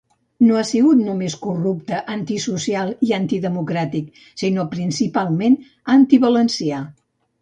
No ha sigut només corrupte, antisocial i antidemocràtic, sinó principalment antivalencià.